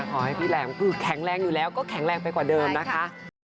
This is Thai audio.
ขอให้พี่แหลมคือแข็งแรงอยู่แล้วก็แข็งแรงไปกว่าเดิมนะคะ